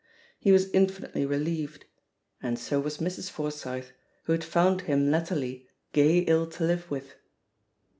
He was infinitely relieved; and so was Mrs. For syth, who had found him latterly "gey ill to live with."